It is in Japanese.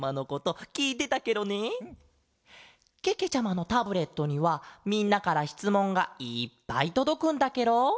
ケケちゃまのタブレットにはみんなからしつもんがいっぱいとどくんだケロ。